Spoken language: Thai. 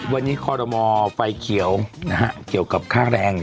วันนี้คอรมอไฟเขียวนะฮะเกี่ยวกับค่าแรง